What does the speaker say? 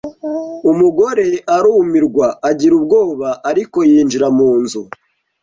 Umugore arumirwa agira ubwoba ariko yinjira mu nzu